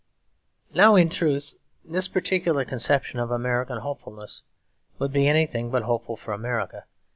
Now in truth this particular conception of American hopefulness would be anything but hopeful for America.